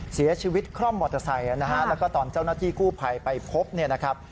เสียชีวิตคร่อมมอเตอร์ไซค์แล้วตอนเจ้าหน้าที่กู้ภัยไปพบเนี่ยนะครับ